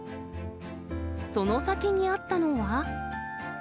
その先にあったのは。